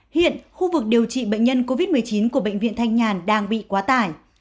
hiện khu vực điều trị bệnh nhân covid một mươi chín của bệnh viện thanh nhàn đang bị quá tải